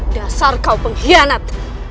dasar kau pengkhianat